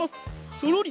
そろり。